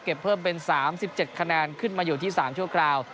เพิ่มเป็น๓๗คะแนนขึ้นมาอยู่ที่๓ชั่วคราว